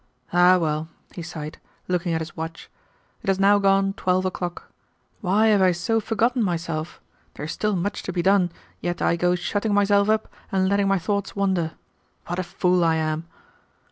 "Ah, well!" he sighed, looking at his watch. "It has now gone twelve o'clock. Why have I so forgotten myself? There is still much to be done, yet I go shutting myself up and letting my thoughts wander! What a fool I am!"